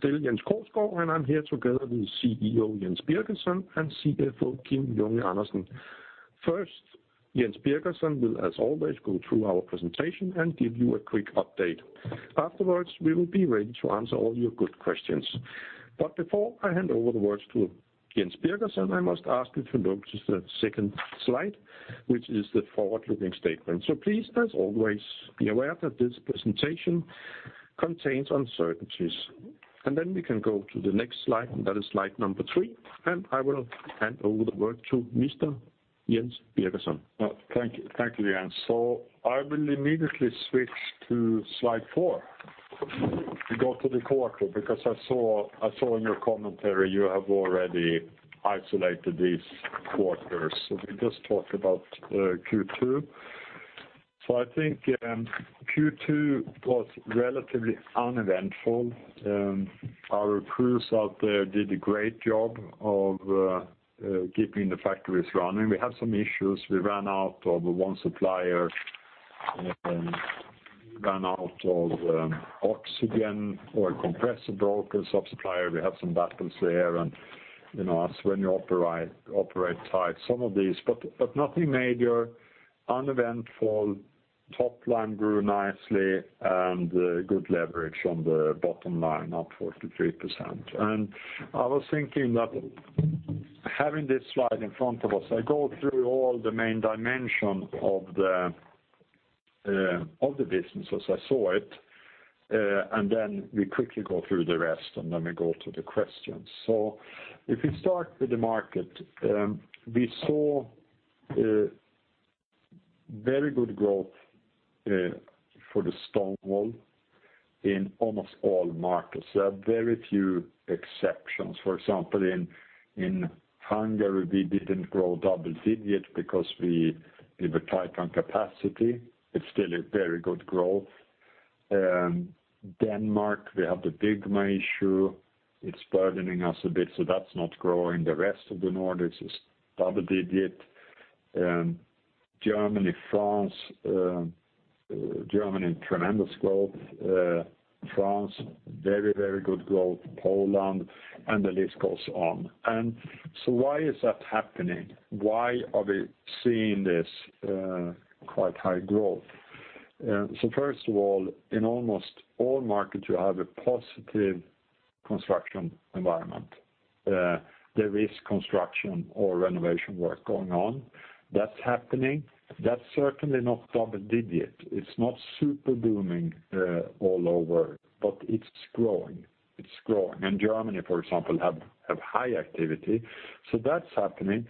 Jens Korsgaard, I'm here together with CEO Jens Birgersson and CFO Kim Junge Andersen. Jens Birgersson will, as always, go through our presentation and give you a quick update. Afterwards, we will be ready to answer all your good questions. Before I hand over the words to Jens Birgersson, I must ask you to look to the second slide, which is the forward-looking statement. Please, as always, be aware that this presentation contains uncertainties. Then we can go to the next slide, that is slide number three, I will hand over the work to Mr. Jens Birgersson. Thank you, Jens. I will immediately switch to slide four to go to the quarter, because I saw in your commentary you have already isolated these quarters. We just talk about Q2. I think Q2 was relatively uneventful. Our crews out there did a great job of keeping the factories running. We had some issues. We ran out of one supplier, ran out of oxygen. Oil compressor broke, a sub-supplier. We had some battles there, that's when you operate tight. Some of these, nothing major. Uneventful. Top line grew nicely, good leverage on the bottom line, up 43%. I was thinking that having this slide in front of us, I go through all the main dimensions of the business as I saw it, we quickly go through the rest, we go to the questions. If we start with the market, we saw very good growth for the stone wool in almost all markets. There are very few exceptions. For example, in Hungary, we didn't grow double digit because we were tight on capacity. It's still a very good growth. Denmark, we have the big issue. It's burdening us a bit, that's not growing. The rest of the Nordics is double digit. Germany, France. Germany, tremendous growth. France, very good growth. Poland, the list goes on. Why is that happening? Why are we seeing this quite high growth? First of all, in almost all markets, you have a positive construction environment. There is construction or renovation work going on. That's happening. That's certainly not double digit. It's not super booming all over, it's growing. Germany, for example, have high activity. That's happening.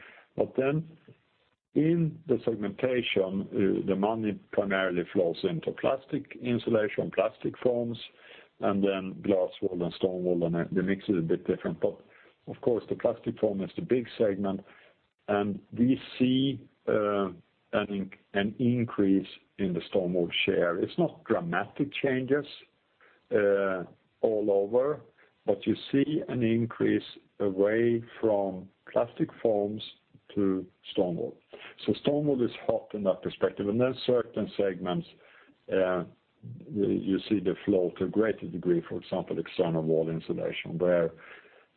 In the segmentation, the money primarily flows into plastic insulation, plastic foams, glass wool and stone wool, the mix is a bit different. Of course, the plastic foam is the big segment, we see an increase in the stone wool share. It's not dramatic changes all over, you see an increase away from plastic foams to stone wool. Stone wool is hot in that perspective. There are certain segments you see the flow to a greater degree, for example, external wall insulation, where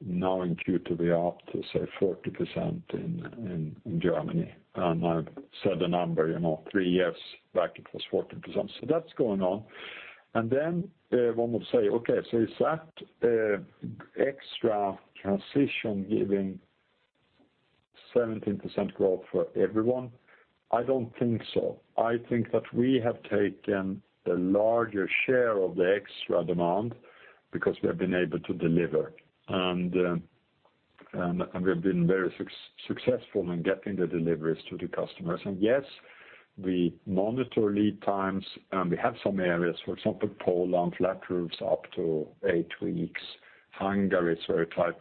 now in Q2, we are up to, say, 40% in Germany. I said the number, three years back, it was 14%. That's going on. One would say, okay, is that extra transition giving 17% growth for everyone? I don't think so. I think that we have taken the larger share of the extra demand because we have been able to deliver, and we have been very successful in getting the deliveries to the customers. Yes, we monitor lead times, and we have some areas. For example, Poland, flat roofs up to 8 weeks. Hungary is very tight.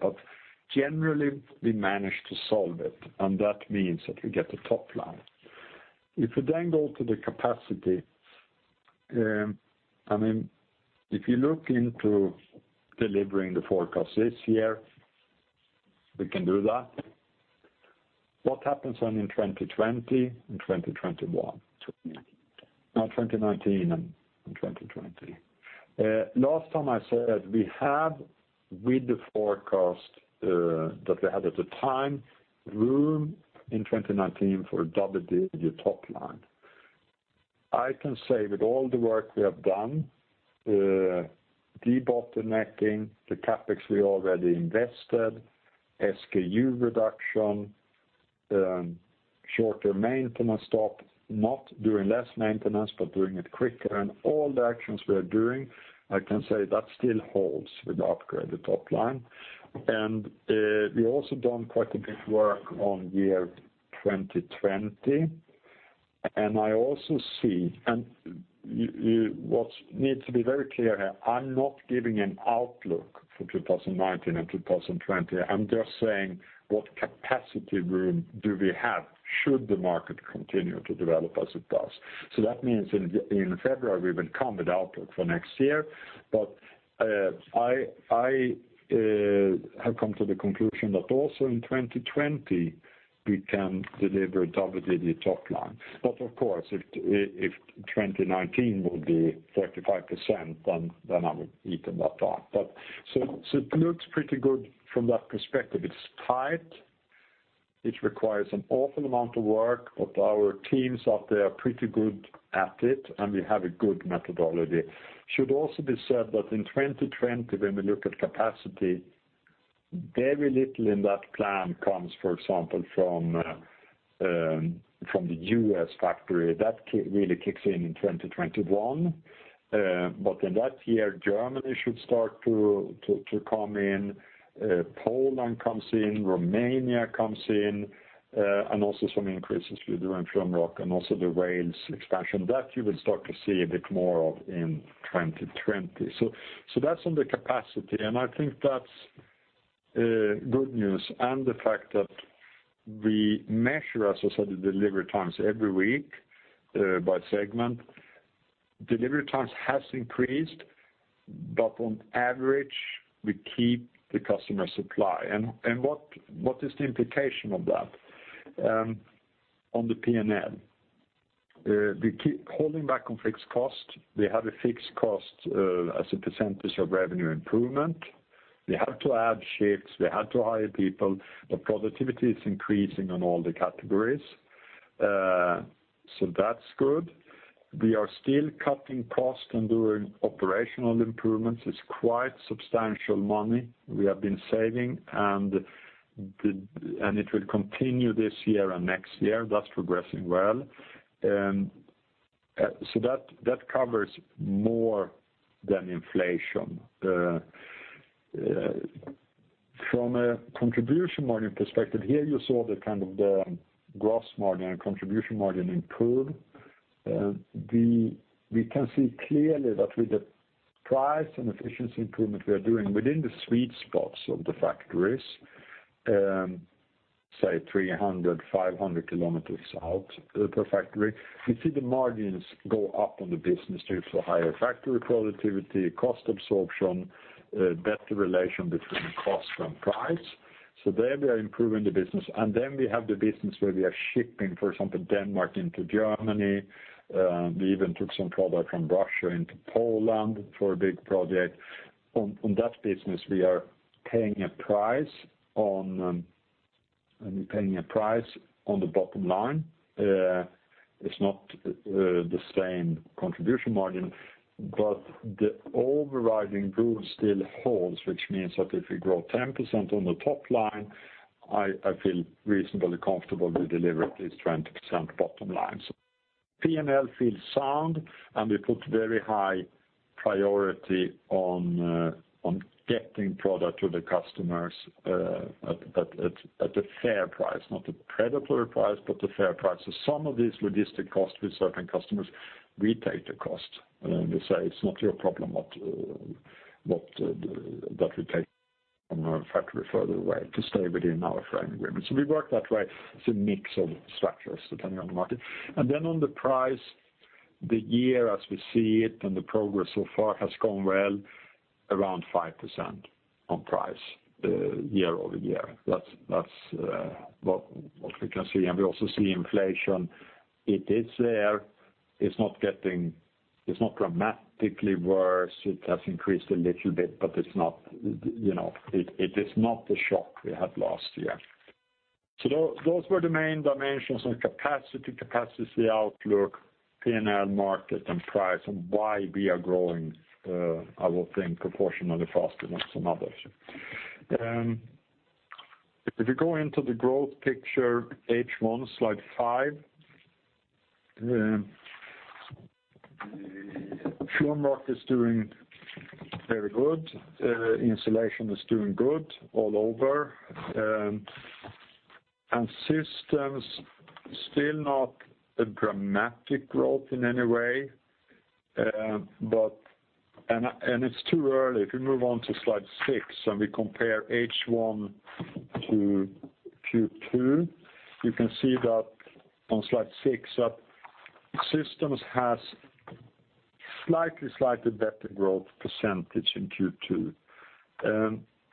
Generally, we manage to solve it, and that means that we get the top line. If we then go to the capacity, if you look into delivering the forecast this year, we can do that. What happens then in 2020 and 2021? No, 2019 and 2020. Last time I said we have, with the forecast that we had at the time, room in 2019 for double-digit top line. I can say with all the work we have done, debottlenecking, the CapEx we already invested, SKU reduction, shorter maintenance stop, not doing less maintenance, but doing it quicker, and all the actions we are doing, I can say that still holds with the upgraded top line. We've also done quite a bit work on year 2020. What needs to be very clear here, I'm not giving an outlook for 2019 and 2020. I'm just saying what capacity room do we have should the market continue to develop as it does. That means in February, we will come with outlook for next year. Have come to the conclusion that also in 2020 we can deliver double-digit top line. Of course, if 2019 will be 35%, then I would eat that up. It looks pretty good from that perspective. It's tight. It requires an awful amount of work, but our teams out there are pretty good at it, and we have a good methodology. Should also be said that in 2020, when we look at capacity, very little in that plan comes, for example, from the U.S. factory. That really kicks in 2021. In that year, Germany should start to come in, Poland comes in, Romania comes in, and also some increases we do in Floorrock and also the rails expansion. That you will start to see a bit more of in 2020. That's on the capacity, and I think that's good news. The fact that we measure, as I said, the delivery times every week, by segment. Delivery times has increased, but on average, we keep the customer supply. What is the implication of that on the P&L? We keep holding back on fixed cost. We have a fixed cost as a percentage of revenue improvement. We have to add shifts. We have to hire people, but productivity is increasing on all the categories. That's good. We are still cutting costs and doing operational improvements. It's quite substantial money we have been saving, and it will continue this year and next year. That's progressing well. That covers more than inflation. From a contribution margin perspective, here you saw the gross margin and contribution margin improve. We can see clearly that with the price and efficiency improvement we are doing within the sweet spots of the factories, say 300, 500 km out per factory, we see the margins go up on the business due to higher factory productivity, cost absorption, better relation between cost and price. There we are improving the business. We have the business where we are shipping, for example, Denmark into Germany. We even took some product from Russia into Poland for a big project. On that business, we are paying a price on the bottom line. It is not the same contribution margin, but the overriding rule still holds, which means that if we grow 10% on the top line, I feel reasonably comfortable we deliver at least 20% bottom line. P&L feels sound. We put very high priority on getting product to the customers at a fair price, not a predatory price, but a fair price. Some of these logistic costs with certain customers, we take the cost. We say, "It is not your problem that we take from our factory further away to stay within our frame agreement." We work that way. It is a mix of structures depending on the market. On the price, the year as we see it, the progress so far has gone well around 5% on price year-over-year. That is what we can see. We also see inflation. It is there. It is not dramatically worse. It has increased a little bit, but it is not the shock we had last year. Those were the main dimensions on capacity outlook, P&L market, and price. Why we are growing, I would think, proportionally faster than some others. If you go into the growth picture, H1, slide five. Floorrock is doing very good. Insulation is doing good all over. Systems, still not a dramatic growth in any way, and it is too early. If you move on to slide six, we compare H1 to Q2. You can see that on slide six that systems has slightly better growth percentage in Q2.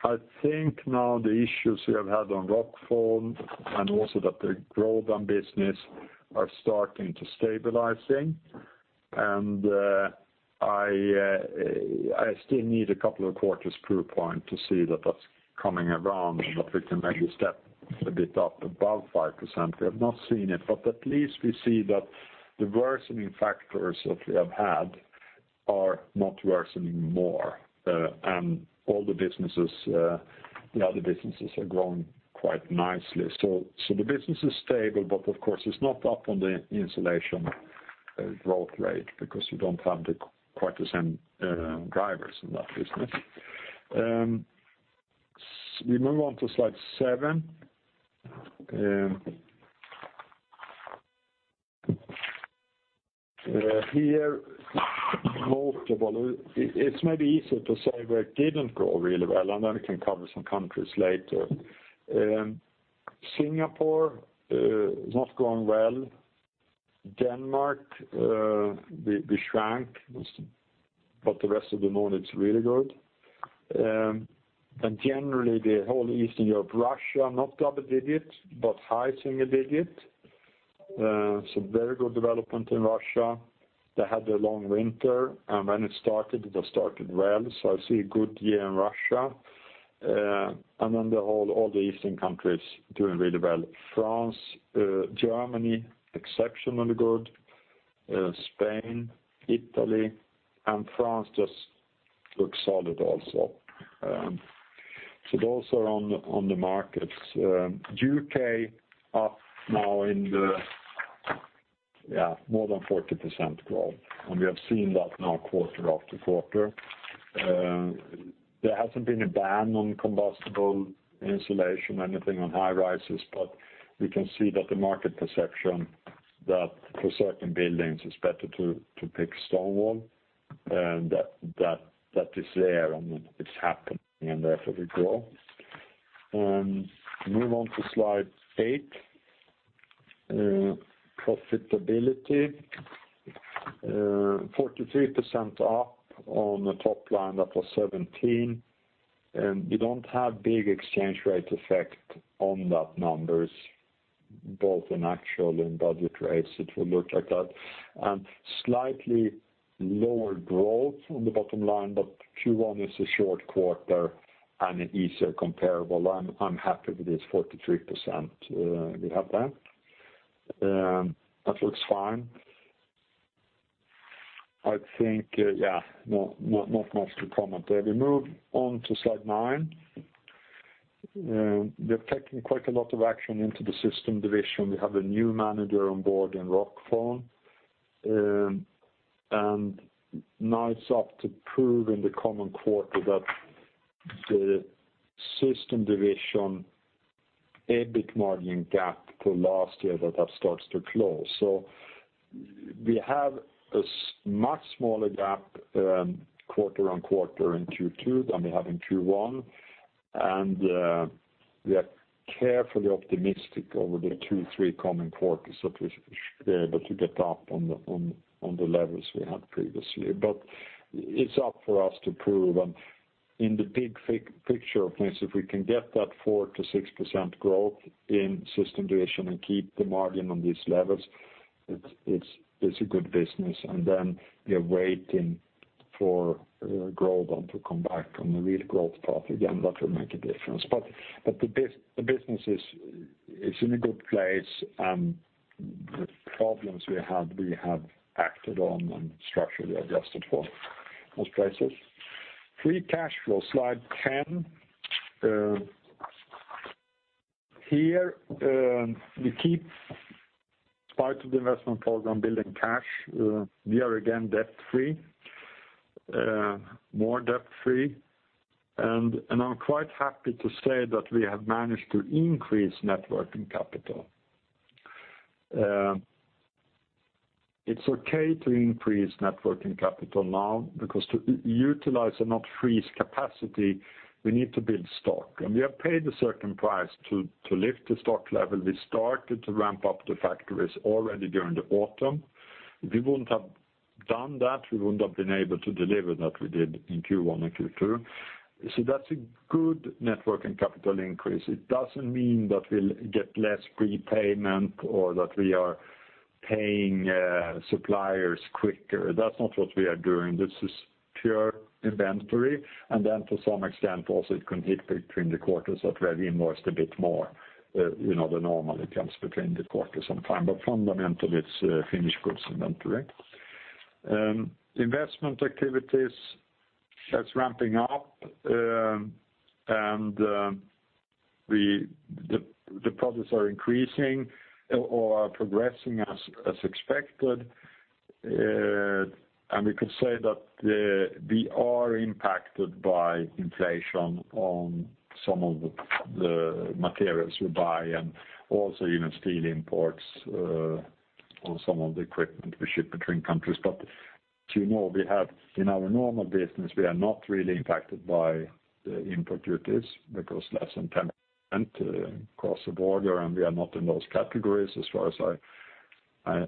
I think now the issues we have had on Rockfon and also that the growth on business are starting to stabilizing. I still need a couple of quarters proof point to see that that is coming around, and that we can maybe step a bit up above 5%. We have not seen it, but at least we see that the worsening factors that we have had are not worsening more. All the other businesses are growing quite nicely. The business is stable, but of course, it is not up on the insulation growth rate because you do not have quite the same drivers in that business. We move on to slide seven. Here, it is maybe easier to say where it did not grow really well. We can cover some countries later. Singapore, not going well. Denmark, we shrank, but the rest of the Nordics, really good. Generally the whole Eastern Europe, Russia, not double digits, but high single digits. Very good development in Russia. They had a long winter. When it started, it has started well. I see a good year in Russia. All the Eastern countries doing really well. France, Germany, exceptionally good. Spain, Italy, and France just look solid also. Those are on the markets. U.K. up now. More than 40% growth. We have seen that now quarter after quarter. There hasn't been a ban on combustible insulation, anything on high rises, but we can see that the market perception that for certain buildings it's better to pick stone wool, and that is there, and it's happening, and therefore we grow. Move on to slide eight. Profitability. 43% up on the top line that was 17. We don't have big exchange rate effect on that numbers, both in actual and budget rates, it will look like that. Slightly lower growth on the bottom line, but Q1 is a short quarter and an easier comparable. I'm happy with this 43% we have there. That looks fine. I think, not much to comment there. We move on to slide nine. We have taken quite a lot of action into the System division. We have a new manager on board in Rockfon. Now it's up to prove in the coming quarter that the System division EBIT margin gap to last year, that that starts to close. We have a much smaller gap, quarter-on-quarter in Q2 than we have in Q1. We are carefully optimistic over the two, three coming quarters that we're able to get up on the levels we had previously. It's up for us to prove. In the big picture of things, if we can get that 4%-6% growth in System division and keep the margin on these levels, it's a good business, we are waiting for growth on to come back on the real growth path again. That will make a difference. The business is in a good place, and the problems we had, we have acted on and structurally adjusted for most places. Free cash flow, slide 10. Here, we keep, in spite of the investment program, building cash. We are again debt-free. More debt-free. I'm quite happy to say that we have managed to increase net working capital. It's okay to increase net working capital now because to utilize and not freeze capacity, we need to build stock. We have paid a certain price to lift the stock level. We started to ramp up the factories already during the autumn. If we wouldn't have done that, we wouldn't have been able to deliver that we did in Q1 and Q2. That's a good net working capital increase. It doesn't mean that we'll get less prepayment or that we are paying suppliers quicker. That's not what we are doing. This is pure inventory, to some extent also it can hit between the quarters that we have invoiced a bit more than normal. It comes between the quarters sometime. Fundamentally, it's finished goods inventory. Investment activities, that's ramping up. The projects are increasing or are progressing as expected. We could say that we are impacted by inflation on some of the materials we buy and also even steel imports on some of the equipment we ship between countries. You know, we have in our normal business, we are not really impacted by the import duties because less than 10% cross the border and we are not in those categories as far as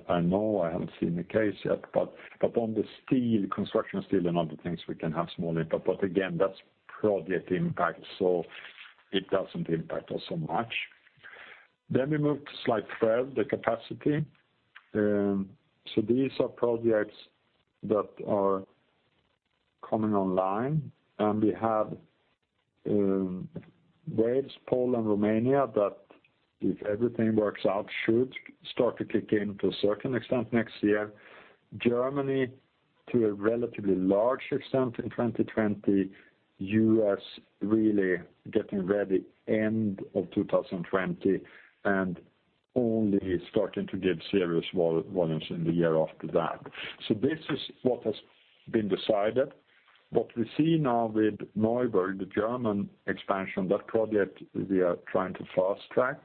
I know. I haven't seen the case yet. On the construction steel and other things, we can have small input, but again, that's project impact, so it doesn't impact us so much. We move to slide 12, the capacity. These are projects that are coming online, and we have Wales, Poland, Romania, that if everything works out, should start to kick in to a certain extent next year, Germany to a relatively large extent in 2020, U.S. really getting ready end of 2020 and only starting to give serious volumes in the year after that. This is what has been decided. What we see now with Neuburg, the German expansion, that project we are trying to fast track.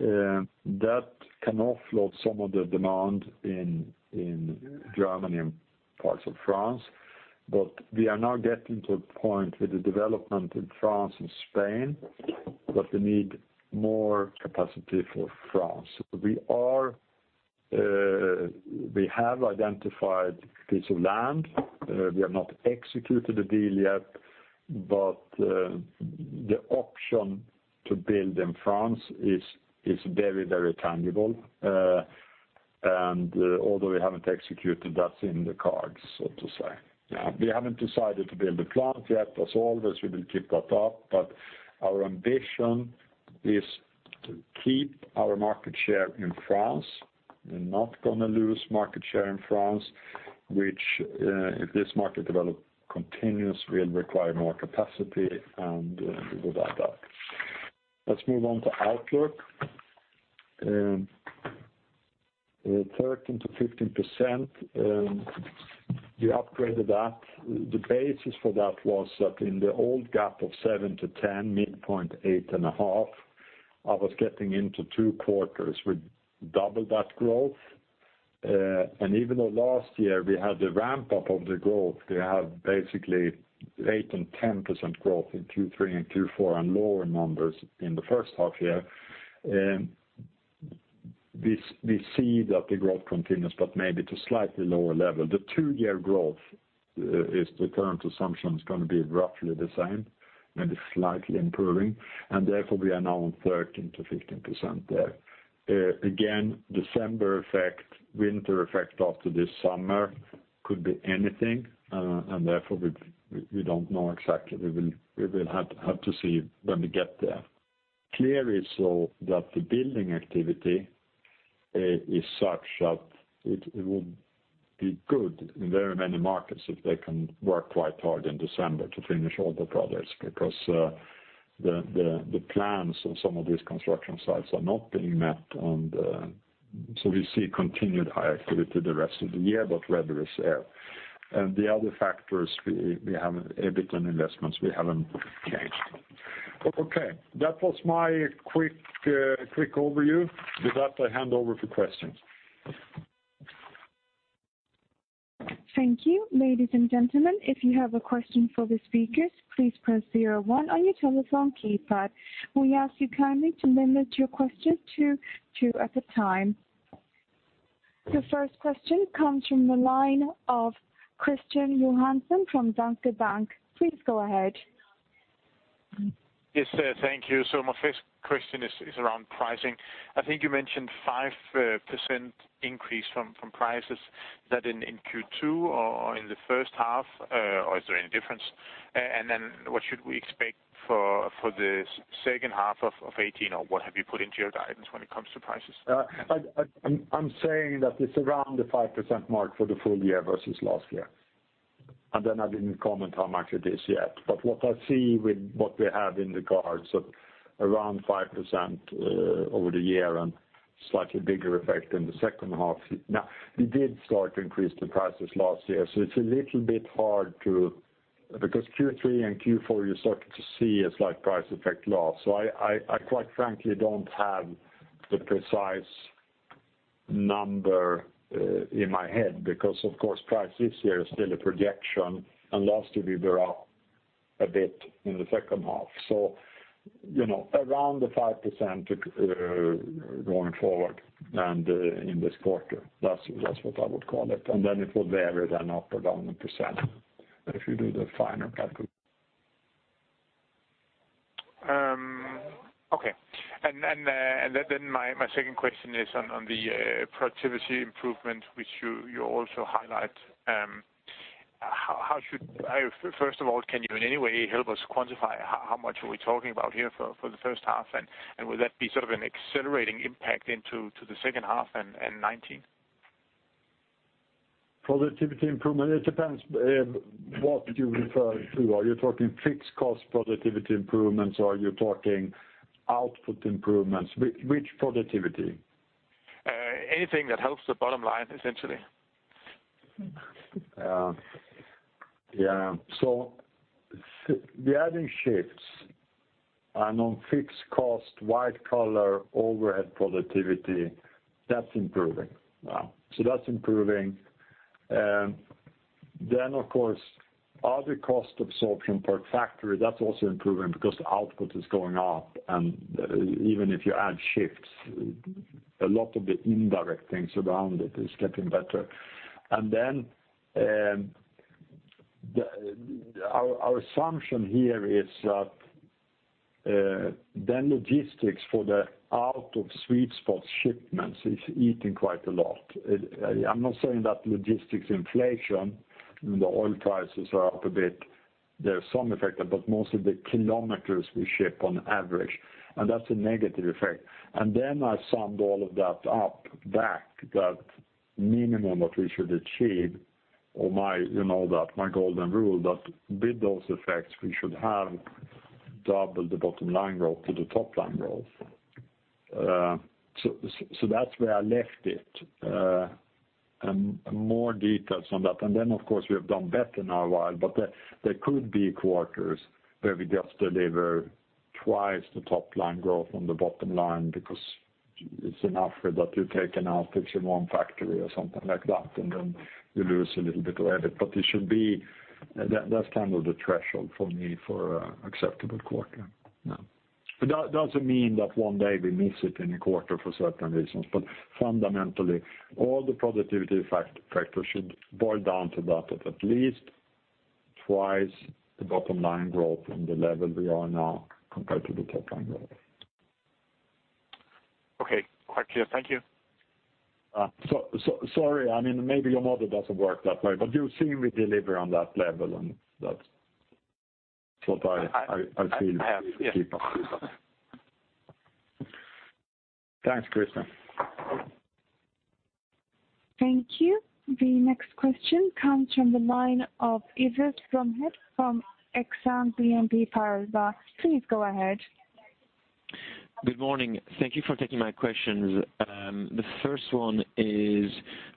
That can offload some of the demand in Germany and parts of France. We are now getting to a point with the development in France and Spain, but we need more capacity for France. We have identified piece of land. We have not executed the deal yet, but the option to build in France is very tangible. Although we haven't executed, that's in the cards, so to say. We haven't decided to build a plant yet. As always, we will keep that up. Our ambition is to keep our market share in France. We're not going to lose market share in France, which, if this market development continues, will require more capacity, and we will add that. Let's move on to outlook. 13%-15%, we upgraded that. The basis for that was that in the old gap of 7%-10%, midpoint 8.5%, I was getting into two quarters with double that growth. Even though last year we had the ramp-up of the growth, we have basically 8% and 10% growth in Q3 and Q4 and lower numbers in the first half year. We see that the growth continues, but maybe to slightly lower level. The two-year growth is, the current assumption, is going to be roughly the same, maybe slightly improving, therefore we are now on 13%-15% there. December effect, winter effect after this summer could be anything, therefore we don't know exactly. We will have to see when we get there. Clearly so that the building activity is such that it would be good in very many markets if they can work quite hard in December to finish all the projects, because the plans on some of these construction sites are not being met. We see continued high activity the rest of the year, but weather is air. The other factors, we have EBITDA and investments, we haven't changed. Okay, that was my quick overview. With that, I hand over for questions. Thank you. Ladies and gentlemen, if you have a question for the speakers, please press 01 on your telephone keypad. We ask you kindly to limit your questions to two at a time. The first question comes from the line of Kristian Johansen from Danske Bank. Please go ahead. Yes, thank you. My first question is around pricing. I think you mentioned 5% increase from prices that in Q2 or in the first half, or is there any difference? What should we expect for the second half of 2018, or what have you put into your guidance when it comes to prices? I'm saying that it's around the 5% mark for the full year versus last year. I didn't comment how much it is yet. What I see with what we have in the cards of around 5% over the year and slightly bigger effect in the second half. We did start to increase the prices last year, so it's a little bit hard because Q3 and Q4, you're starting to see a slight price effect loss. I quite frankly don't have the precise number in my head, because of course, price this year is still a projection, and last year we were up a bit in the second half. Around the 5% going forward and in this quarter. That's what I would call it. It will vary then up or down 1% if you do the final calcul. Okay. My second question is on the productivity improvement, which you also highlight. First of all, can you in any way help us quantify how much are we talking about here for the first half? Will that be sort of an accelerating impact into the second half and 2019? Productivity improvement, it depends what you refer to. Are you talking fixed cost productivity improvements, or are you talking output improvements? Which productivity? Anything that helps the bottom line, essentially. Yeah. We're adding shifts, on fixed cost, white collar, overhead productivity, that's improving. That's improving. Of course, other cost absorption per factory, that's also improving because the output is going up, even if you add shifts, a lot of the indirect things around it is getting better. Our assumption here is that the logistics for the out-of-sweet-spot shipments is eating quite a lot. I'm not saying that logistics inflation, the oil prices are up a bit, there's some effect, mostly the kilometers we ship on average, that's a negative effect. I sum all of that up back, that minimum what we should achieve, or my golden rule, that with those effects, we should have double the bottom line growth to the top line growth. That's where I left it. More details on that. Of course, we have done better now a while, there could be quarters where we just deliver twice the top line growth on the bottom line because it's enough that you take an out, it's your one factory or something like that, and then you lose a little bit of EBIT, that's the threshold for me for acceptable quarter. It doesn't mean that one day we miss it in a quarter for certain reasons, fundamentally, all the productivity factors should boil down to that, at least twice the bottom line growth from the level we are now compared to the top line growth. Okay. Quite clear. Thank you. Sorry. Maybe your model doesn't work that way, but you've seen we deliver on that level, and that's what I feel we keep up with. Yes. Thanks, Kristian. Thank you. The next question comes from the line of Yves Bromehead from Exane BNP Paribas. Please go ahead. Good morning. Thank you for taking my questions. The first one is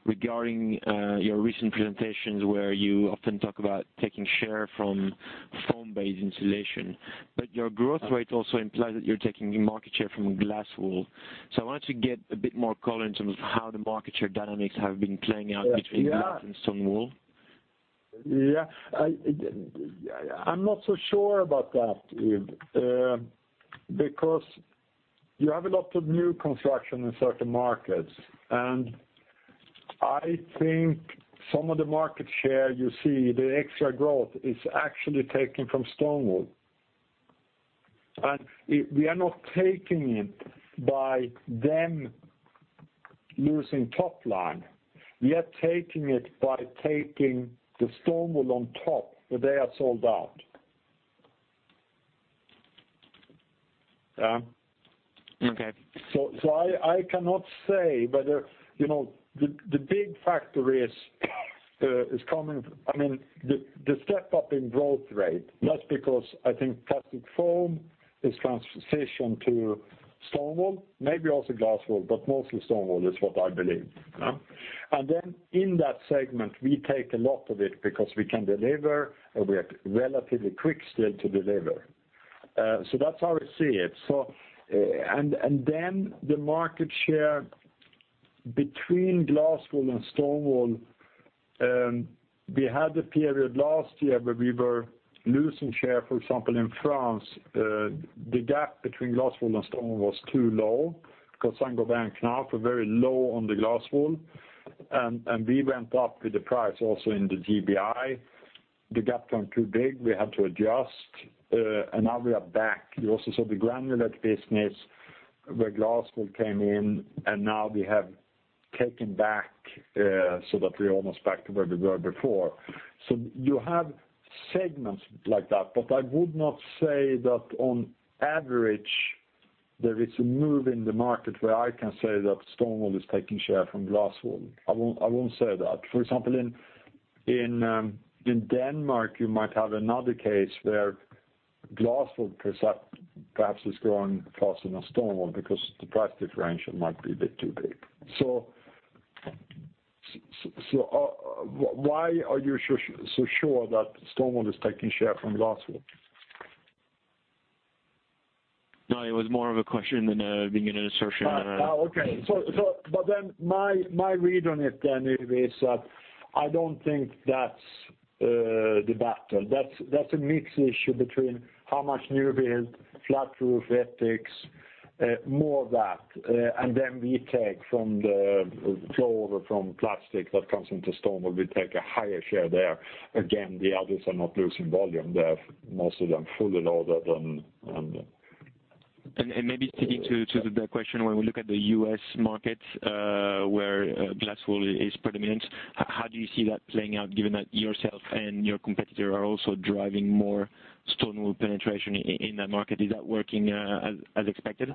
regarding your recent presentations, where you often talk about taking share from foam-based insulation. Your growth rate also implies that you're taking market share from glass wool. I wanted to get a bit more color in terms of how the market share dynamics have been playing out between- Yeah glass and stone wool. I'm not so sure about that, Yves, because you have a lot of new construction in certain markets, and I think some of the market share you see, the extra growth is actually taken from stone wool. We are not taking it by them losing top line. We are taking it by taking the stone wool on top, where they are sold out. Okay. I cannot say whether the big factor is coming. The step-up in growth rate, that's because I think plastic foam is transitioned to stone wool, maybe also glass wool, but mostly stone wool, is what I believe. In that segment, we take a lot of it because we can deliver, and we are relatively quick still to deliver. That's how I see it. The market share between glass wool and stone wool, we had a period last year where we were losing share, for example, in France. The gap between glass wool and stone wool was too low because Saint-Gobain and Knauf are very low on the glass wool, and we went up with the price also in the GBI. The gap turned too big. We had to adjust, and now we are back. You also saw the Granulate business where glass wool came in, and now we have taken back so that we're almost back to where we were before. You have segments like that, but I would not say that on average, there is a move in the market where I can say that stone wool is taking share from glass wool. I won't say that. For example, in Denmark, you might have another case where glass wool perhaps is growing faster than stone wool because the price differential might be a bit too big. Why are you so sure that stone wool is taking share from glass wool? No, it was more of a question than being an assertion. Okay. My read on it then, Yves, is that I don't think that's the battle. That's a mix issue between how much new build, flat roof it takes, more of that. We take from the flow over from plastic that comes into stone wool, we take a higher share there. Again, the others are not losing volume. Most of them fully loaded. Maybe sticking to the question, when we look at the U.S. market, where glass wool is predominant, how do you see that playing out given that yourself and your competitor are also driving more stone wool penetration in that market? Is that working as expected?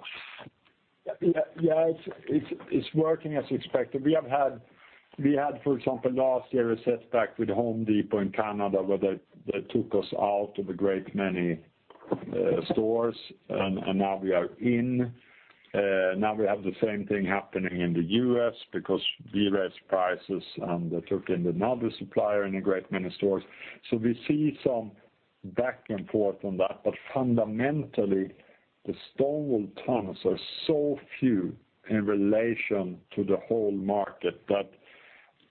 Yeah. It's working as expected. We had, for example, last year, a setback with Home Depot in Canada where they took us out of the great many stores, and now we are in. We have the same thing happening in the U.S. because we raised prices, and they took in another supplier in a great many stores. We see some back and forth on that. Fundamentally, the stone wool tons are so few in relation to the whole market that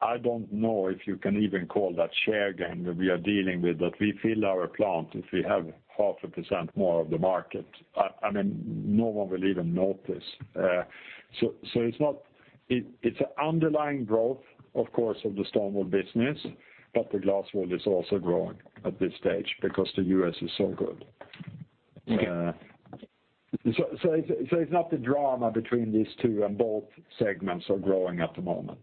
I don't know if you can even call that share gain that we are dealing with, that we fill our plant if we have half a percent more of the market. No one will even notice. It's an underlying growth, of course, of the stone wool business, but the glass wool is also growing at this stage because the U.S. is so good. It's not the drama between these two, and both segments are growing at the moment.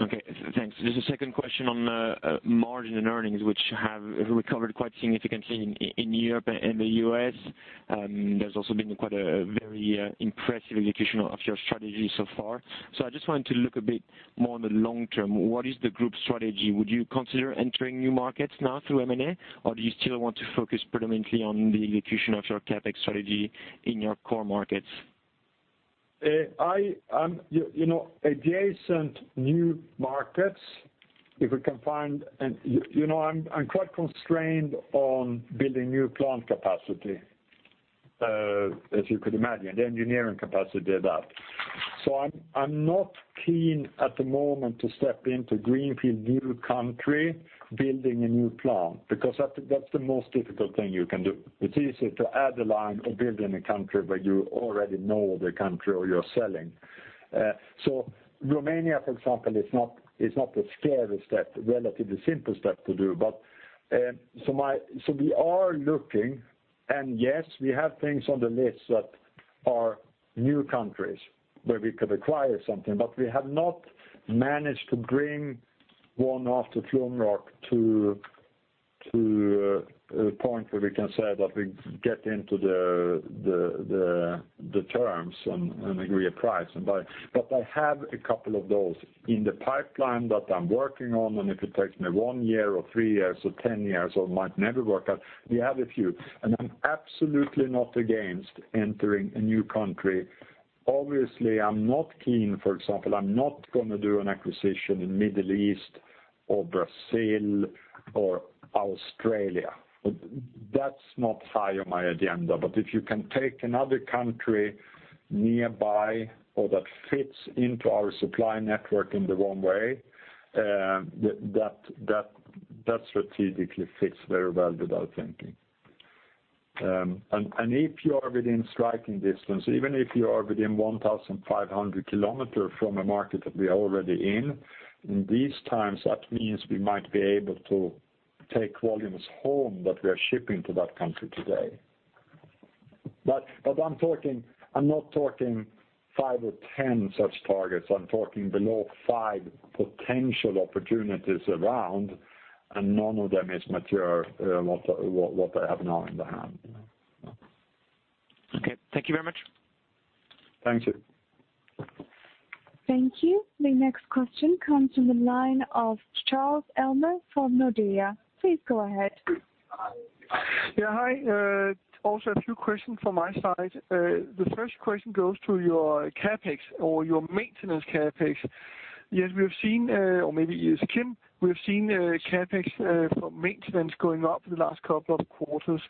Okay, thanks. There's a second question on margin and earnings, which have recovered quite significantly in Europe and the U.S. There's also been quite a very impressive execution of your strategy so far. I just wanted to look a bit more on the long term. What is the group's strategy? Would you consider entering new markets now through M&A, or do you still want to focus predominantly on the execution of your CapEx strategy in your core markets? Adjacent new markets If we can find I'm quite constrained on building new plant capacity, as you could imagine, the engineering capacity of that. I'm not keen at the moment to step into greenfield new country, building a new plant, because that's the most difficult thing you can do. It's easier to add a line or build in a country where you already know the country or you're selling. Romania, for example, is not the scariest step, relatively the simplest step to do. We are looking, and yes, we have things on the list that are new countries where we could acquire something, but we have not managed to bring one after Flumroc to a point where we can say that we get into the terms and agree a price. I have a couple of those in the pipeline that I'm working on, and if it takes me one year or three years or 10 years, or it might never work out, we have a few. I'm absolutely not against entering a new country. Obviously, I'm not keen, for example, I'm not going to do an acquisition in Middle East or Brazil or Australia. That's not high on my agenda. If you can take another country nearby or that fits into our supply network in the wrong way, that strategically fits very well with our thinking. If you are within striking distance, even if you are within 1,500 kilometer from a market that we are already in these times, that means we might be able to take volumes home that we are shipping to that country today. I'm not talking five or 10 such targets. I'm talking below five potential opportunities around, and none of them is mature, what I have now in the hand. Okay. Thank you very much. Thank you. Thank you. The next question comes from the line of Claus Almer from Nordea. Please go ahead. Yeah. Hi. Also a few questions from my side. The first question goes to your CapEx or your maintenance CapEx. Jens, we have seen, or maybe it is Kim, we have seen CapEx for maintenance going up for the last couple of quarters.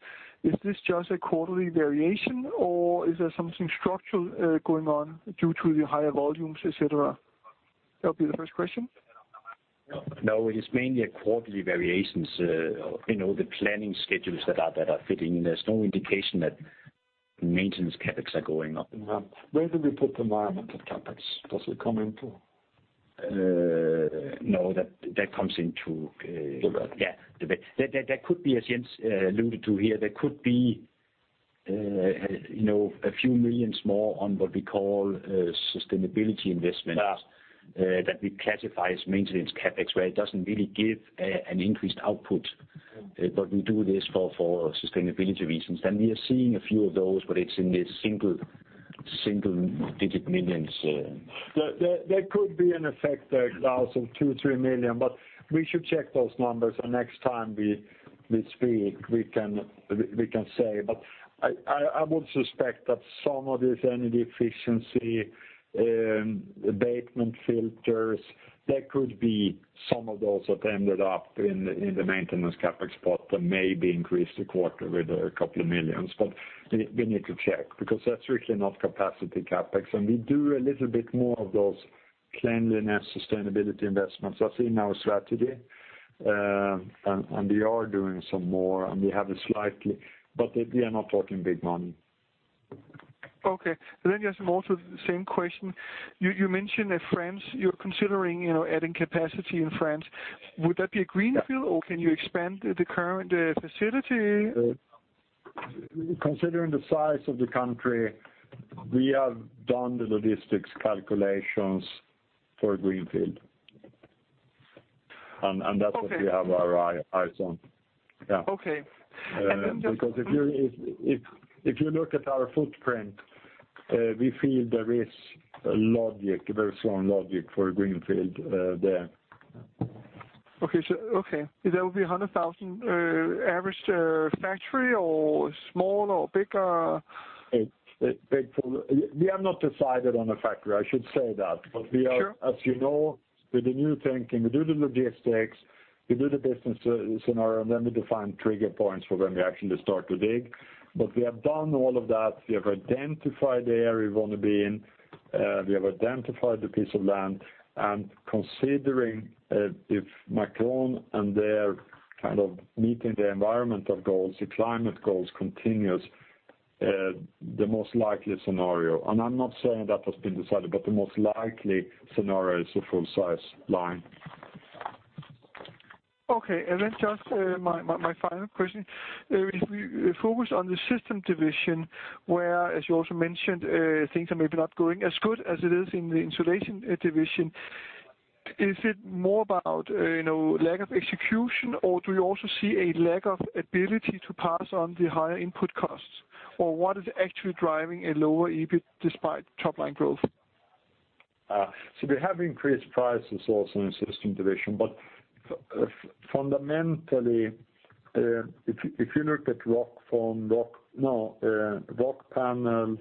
Is this just a quarterly variation or is there something structural going on due to the higher volumes, et cetera? That will be the first question. No, it is mainly a quarterly variations. The planning schedules that are fitting in. There is no indication that maintenance CapEx are going up. Where do we put the environmental CapEx? Does it come into. No, that comes into- The other. Yeah. There could be, as Jens alluded to here, there could be a few millions more on what we call sustainability investments- that we classify as maintenance CapEx, where it doesn't really give an increased output. We do this for sustainability reasons. We are seeing a few of those, but it's in the single digit millions. There could be an effect there, Claus, of 2 or 3 million, we should check those numbers, and next time we speak, we can say. I would suspect that some of this energy efficiency abatement filters, there could be some of those that ended up in the maintenance CapEx pot that maybe increased a quarter with DKK a couple of million. We need to check, because that's really not capacity CapEx, and we do a little bit more of those cleanliness, sustainability investments, as in our strategy, and we are doing some more. We are not talking big money. Okay. Jens, also the same question. You mentioned France, you're considering adding capacity in France. Would that be a greenfield or can you expand the current facility? Considering the size of the country, we have done the logistics calculations for a greenfield, and that's what we have our eyes on. Yeah. Okay. If you look at our footprint, we feel there is a logic, a very strong logic for a greenfield there. Okay. That would be 100,000 average factory or small or bigger? We have not decided on a factory, I should say that. Sure. We are, as you know, with the new thinking, we do the logistics, we do the business scenario, and then we define trigger points for when we actually start to dig. We have done all of that. We have identified the area we want to be in. We have identified the piece of land, and considering if Macron and their meeting their environmental goals, the climate goals continues, the most likely scenario, and I'm not saying that has been decided, but the most likely scenario is a full size line. Just my final question. If we focus on the system division, where, as you also mentioned, things are maybe not going as good as it is in the insulation division. Is it more about lack of execution, or do you also see a lack of ability to pass on the higher input costs? What is actually driving a lower EBIT despite top line growth? We have increased prices also in the system division, but Fundamentally, if you look at Rockfon, Rockpanel,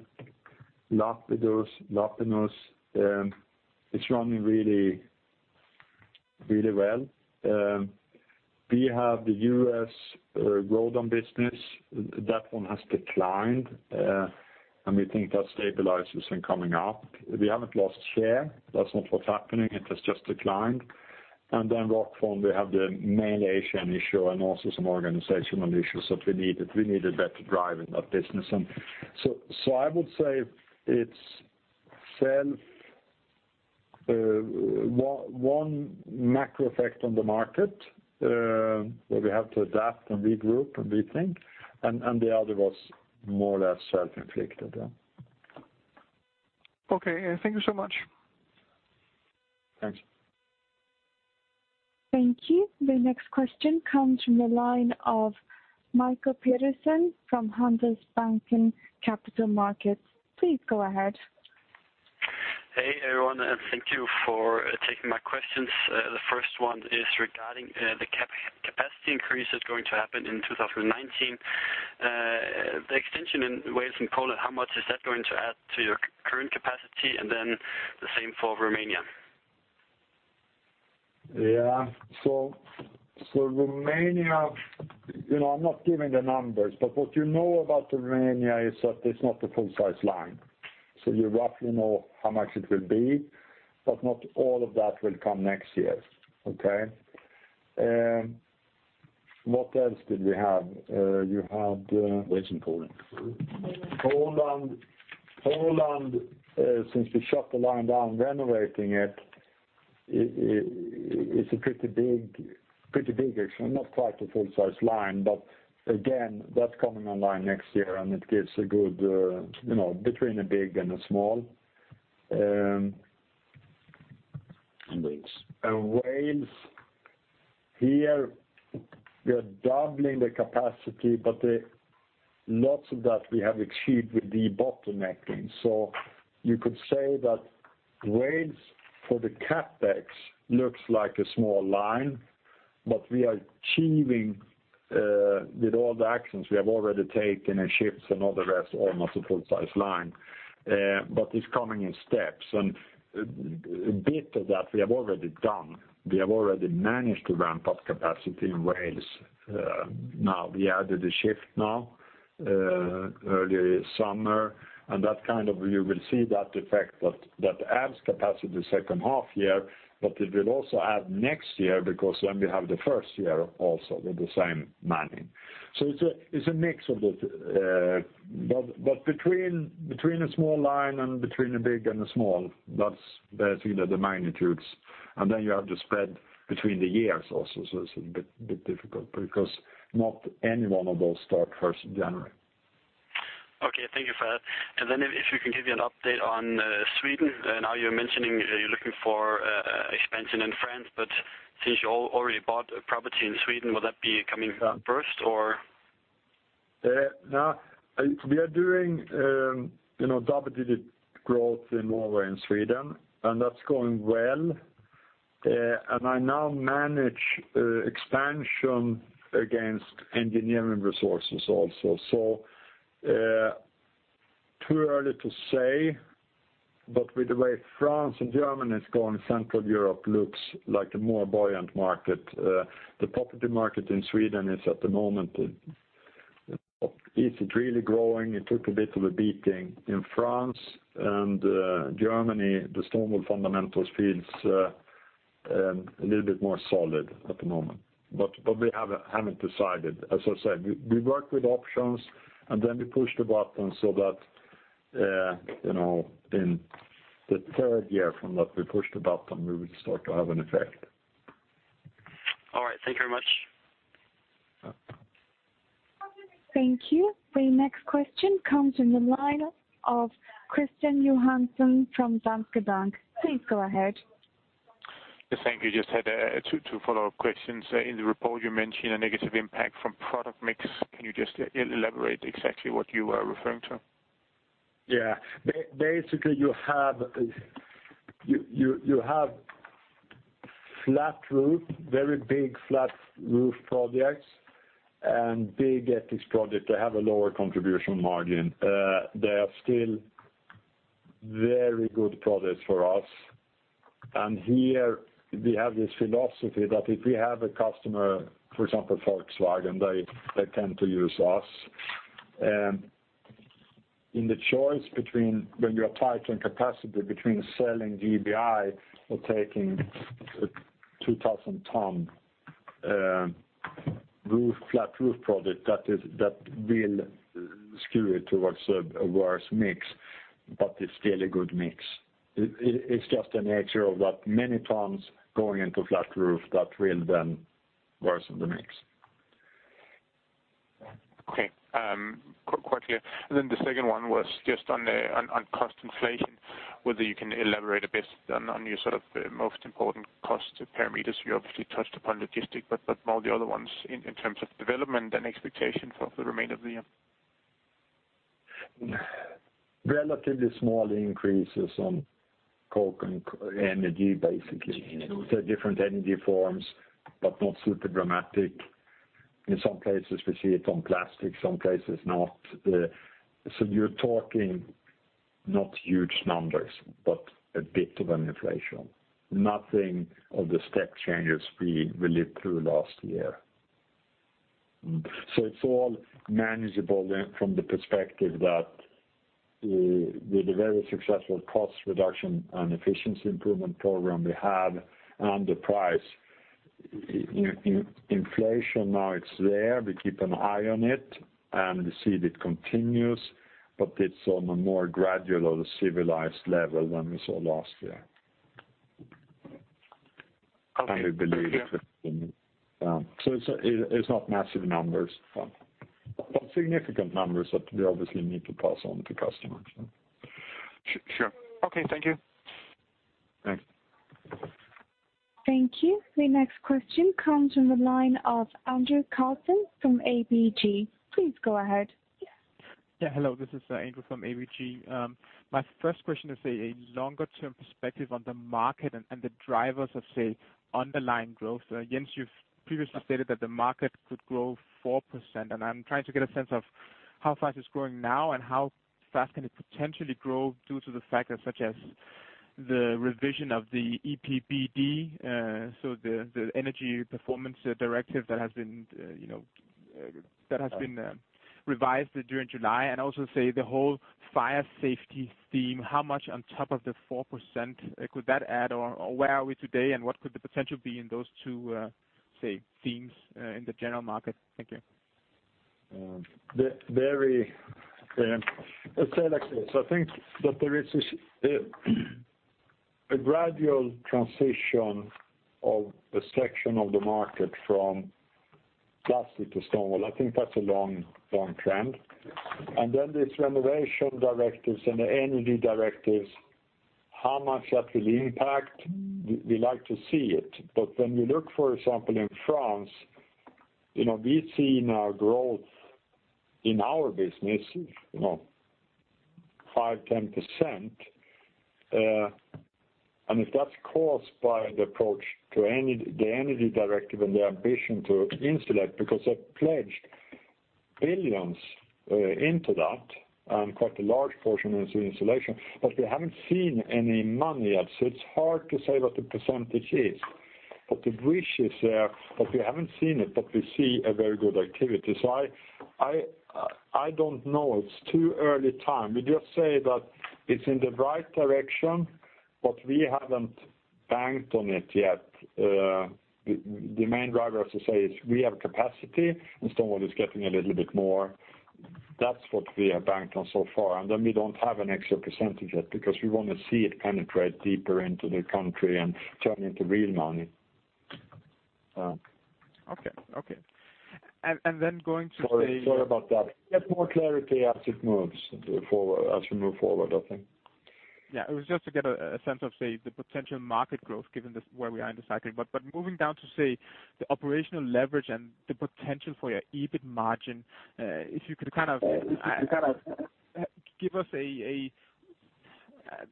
Lapinus, it's running really well. We have the U.S. Roxul business. That one has declined, and we think that stabilizes and coming up. We haven't lost share. That's not what's happening. It has just declined. Rockfon, we have the main Asian issue and also some organizational issues that we needed better drive in that business. I would say it's one macro effect on the market, where we have to adapt and regroup and rethink, and the other was more or less self-inflicted. Thank you so much. Thanks. Thank you. The next question comes from the line of Michael Peterson from Handelsbanken Capital Markets. Please go ahead. Hey, everyone, and thank you for taking my questions. The first one is regarding the capacity increase that's going to happen in 2019. The extension in Wales and Poland, how much is that going to add to your current capacity? The same for Romania. Yeah. Romania, I'm not giving the numbers, but what you know about Romania is that it's not a full-size line. You roughly know how much it will be, but not all of that will come next year. Okay? What else did we have? You had- Wales and Poland Poland, since we shut the line down renovating it's a pretty big, actually, not quite a full-size line, again, that's coming online next year, it gives a good, between a big and a small. Wales. Wales, here, we are doubling the capacity, but lots of that we have achieved with debottlenecking. You could say that Wales, for the CapEx, looks like a small line, but we are achieving with all the actions we have already taken and shifts and all the rest, almost a full-size line. It's coming in steps. A bit of that we have already done. We have already managed to ramp up capacity in Wales. Now, we added a shift now, early summer, and that kind of, you will see that effect, that adds capacity second half year, but it will also add next year because then we have the first year also with the same manning. It's a mix of it. Between a small line and between a big and a small, that's basically the magnitudes. You have the spread between the years also, it's a bit difficult because not any one of those start first of January. Okay, thank you for that. If you can give me an update on Sweden. Now you're mentioning you're looking for expansion in France, since you already bought a property in Sweden, will that be coming first or? No, we are doing double-digit growth in Norway and Sweden, and that's going well. I now manage expansion against engineering resources also. Too early to say, but with the way France and Germany is going, Central Europe looks like a more buoyant market. The property market in Sweden is, at the moment, isn't really growing. It took a bit of a beating. In France and Germany, the stronger fundamentals feels a little bit more solid at the moment. We haven't decided. As I said, we work with options, and then we push the button so that in the third year from that we pushed the button, we will start to have an effect. All right. Thank you very much. Yeah. Thank you. The next question comes from the line of Kristian Johansen from Danske Bank. Please go ahead. Yes, thank you. Just had two follow-up questions. In the report, you mention a negative impact from product mix. Can you just elaborate exactly what you are referring to? Basically, you have flat roof, very big flat roof projects and big ETICS project. They have a lower contribution margin. They are still very good projects for us. Here we have this philosophy that if we have a customer, for example, Volkswagen, they tend to use us. In the choice between when you are tight on capacity between selling GBI or taking a 2,000 ton flat roof project, that will skew it towards a worse mix, but it's still a good mix. It's just the nature of that many tons going into flat roof that will worsen the mix. Okay. Quite clear. The second one was just on cost inflation, whether you can elaborate a bit on your most important cost parameters. You obviously touched upon logistics, all the other ones in terms of development and expectation for the remainder of the year. Relatively small increases on coke and energy, basically. The different energy forms, but not super dramatic. In some places we see it on plastic, some places not. You're talking not huge numbers, but a bit of an inflation. Nothing of the step changes we lived through last year. It's all manageable then from the perspective that with the very successful cost reduction and efficiency improvement program we have. Inflation now it's there. We keep an eye on it, and we see that it continues, but it's on a more gradual or civilized level than we saw last year. Okay. Thank you. We believe it will. It's not massive numbers, but significant numbers that we obviously need to pass on to customers. Sure. Okay. Thank you. Thanks. Thank you. The next question comes from the line of Andreas Karst from ABG. Please go ahead. Hello. This is Andreas from ABG. My first question is a longer-term perspective on the market and the drivers of, say, underlying growth. Jens, you've previously stated that the market could grow 4%, and I'm trying to get a sense of how fast it's growing now and how fast can it potentially grow due to the factors such as the revision of the EPBD, so the energy performance directive that has been revised during July, and also say the whole fire safety theme, how much on top of the 4% could that add, or where are we today, and what could the potential be in those two, say, themes, in the general market? Thank you. Let's say it like this. I think that there is a gradual transition of a section of the market from plastic to stone wool. I think that's a long trend. These renovation directives and the energy directives, how much that will impact, we like to see it. When we look, for example, in France, we've seen our growth in our business 5%-10%. If that's caused by the approach to the energy directive and the ambition to insulate, because they've pledged billions into that, and quite a large portion is in insulation. We haven't seen any money yet, so it's hard to say what the percentage is. The wish is there, but we haven't seen it, but we see a very good activity. I don't know. It's too early time. We just say that it's in the right direction, but we haven't banked on it yet. The main driver, as to say is we have capacity, and stone wool is getting a little bit more. That's what we have banked on so far. We don't have an actual percentage yet because we want to see it penetrate deeper into the country and turn into real money. Okay. Going to say- Sorry about that. We get more clarity as it moves, as we move forward, I think. Yeah, it was just to get a sense of, say, the potential market growth given where we are in the cycle. Moving down to, say, the operational leverage and the potential for your EBIT margin, if you could kind of give us a,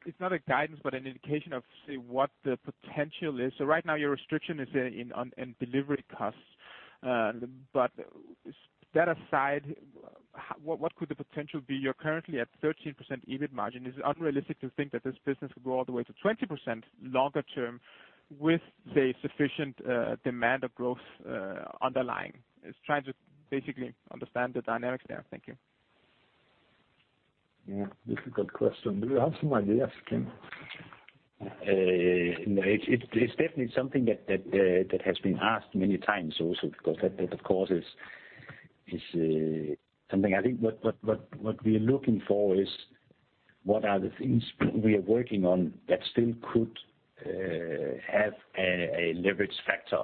it's not a guidance, but an indication of, say, what the potential is. Right now your restriction is in delivery costs. That aside, what could the potential be? You're currently at 13% EBIT margin. Is it unrealistic to think that this business could go all the way to 20% longer term with, say, sufficient demand of growth underlying? I am trying to basically understand the dynamics there. Thank you. Yeah. Difficult question. Do you have some ideas, Kim? It's definitely something that has been asked many times also because that of course is something I think what we are looking for is what are the things we are working on that still could have a leverage factor?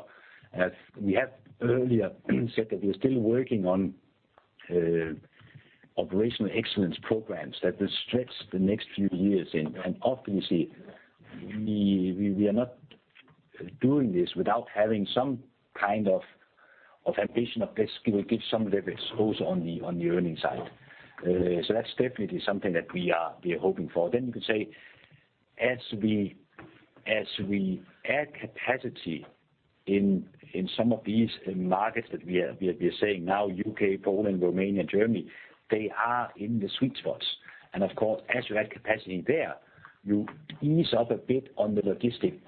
As we have earlier said that we are still working on operational excellence programs that will stretch the next few years in. Obviously we are not doing this without having some kind of ambition of this will give some leverage also on the earning side. That's definitely something that we are hoping for. You could say, as we add capacity in some of these markets that we are saying now, U.K., Poland, Romania, Germany, they are in the sweet spots. Of course, as you add capacity there, you ease up a bit on the logistic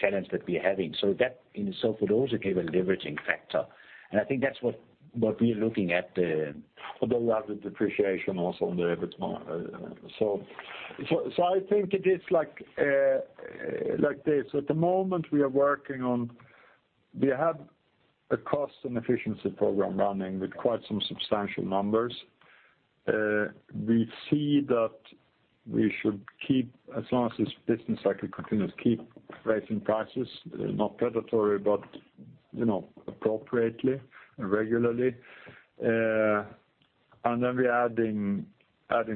challenge that we're having. That in itself would also give a leveraging factor. I think that's what we are looking at. Although we have the depreciation also on the EBITDA. I think it is like this. At the moment we are working on, we have a cost and efficiency program running with quite some substantial numbers. We see that we should keep, as long as this business cycle continues, keep raising prices, not predatory, but appropriately and regularly. We are adding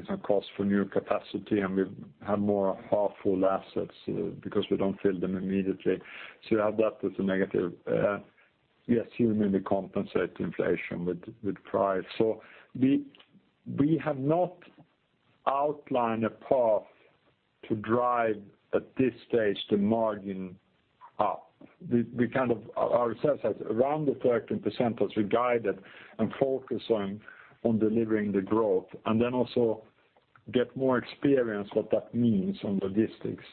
some costs for new capacity, and we have more half-full assets because we don't fill them immediately. You have that as a negative. We assume we compensate inflation with price. We have not outlined a path to drive at this stage the margin up. We kind of ourselves as around the 13% as we guided and focus on delivering the growth and then also get more experience what that means on logistics.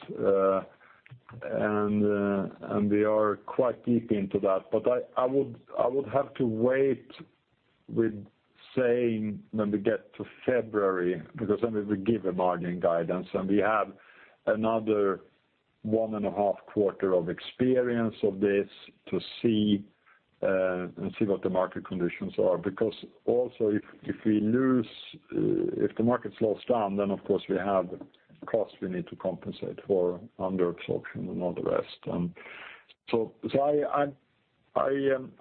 We are quite deep into that, but I would have to wait with saying when we get to February, because then we will give a margin guidance, and we have another one and a half quarter of experience of this to see what the market conditions are. If the markets slows down, then of course we have costs we need to compensate for under absorption and all the rest. I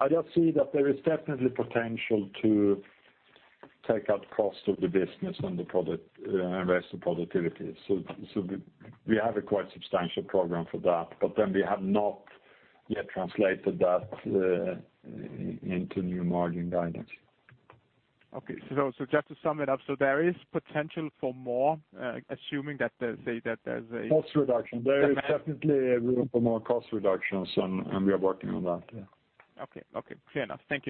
just see that there is definitely potential to take out cost of the business and the rest of productivity. We have a quite substantial program for that. We have not yet translated that into new margin guidance. Okay. Just to sum it up, so there is potential for more, assuming that there's. Cost reduction. There is definitely a room for more cost reductions, and we are working on that, yeah. Okay. Clear enough. Thank you